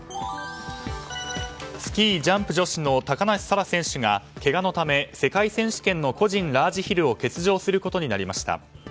スキージャンプ女子の高梨沙羅選手がけがのため世界選手権の個人ラージヒルを欠場することになりました。